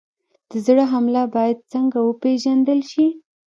د زړه حمله باید څنګه وپېژندل شي؟